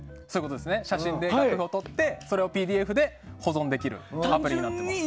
写真で楽譜を撮ってそれをＰＤＦで保存できるアプリになっています。